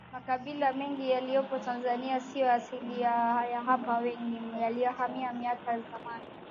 Makabila mengi yaliyopo Tanzania siyo ya asili ya hapa mengi yalihamia miaka ya zamani